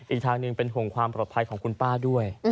อีกทางหนึ่งเป็นห่วงความปลอดภัยของคุณป้าด้วย